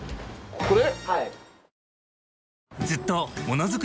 これ？